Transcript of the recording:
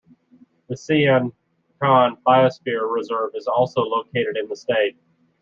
The Sian Ka'an biosphere reserve is also located in the state.